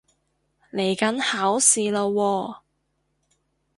嚟緊考試喇喎